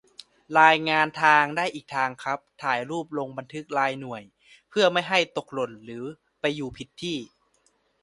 รายงานทาง ได้อีกทางครับ ถ่ายรูป ลงบันทึกรายหน่วย ไม่ให้คะแนนตกหล่นหรือไปอยู่ผิดที่